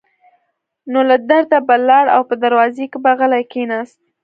نو له درده به لاړ او په دروازه کې به غلی کېناست.